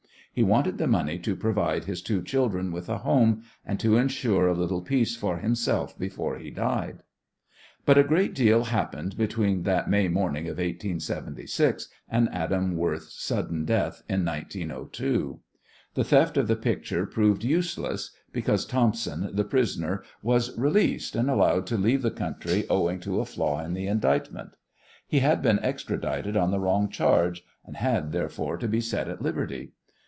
He wanted the money to provide his two children with a home and to ensure a little peace for himself before he died. But a great deal happened between that May morning in 1876 and Adam Worth's sudden death in 1902. The theft of the picture proved useless, because Thompson, the prisoner, was released and allowed to leave the country owing to a flaw in the indictment. He had been extradited on the wrong charge and had, therefore, to be set at liberty.